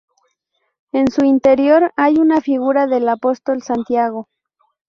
En su interior hay una figura del Apóstol Santiago.